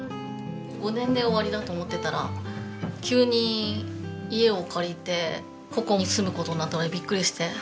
５年で終わりだと思ってたら急に家を借りてここに住む事になったのでビックリして。